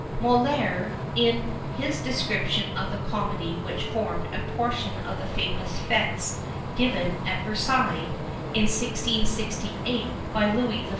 Molière, in his description of the comedy which formed a portion of the famous fêtes given at Versailles, in 1668, by Louis XIV.